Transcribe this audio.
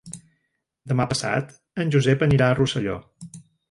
Demà passat en Josep anirà a Rosselló.